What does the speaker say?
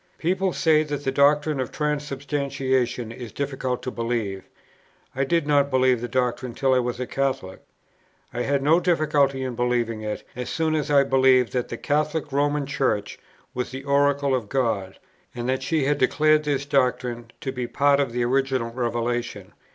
People say that the doctrine of Transubstantiation is difficult to believe; I did not believe the doctrine till I was a Catholic. I had no difficulty in believing it, as soon as I believed that the Catholic Roman Church was the oracle of God, and that she had declared this doctrine to be part of the original revelation.